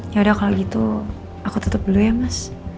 yaudah kalau gitu aku tutup dulu ya mas